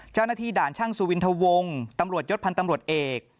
เจ้าหน้าที่ด่านช่างสุวินทะวงตำรวจยศพันธ์ตำรวจเอก